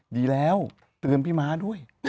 ดีแล้วเตือนพี่ม้าด้วย